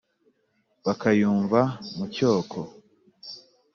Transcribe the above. Bakayumva mu cyoko,